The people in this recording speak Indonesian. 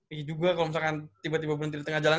ini juga kalau misalkan tiba tiba berhenti di tengah jalan